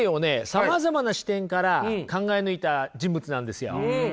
さまざまな視点から考え抜いた人物なんですよ。